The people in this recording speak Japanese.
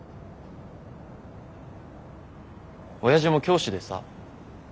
親父も教師でさ。